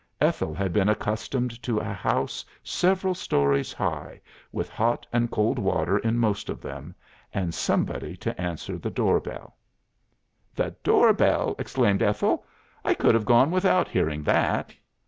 Ethel had been accustomed to a house several stories high, with hot and cold water in most of them, and somebody to answer the door bell." "The door bell!" exclaimed Ethel. "I could have gone without hearing that."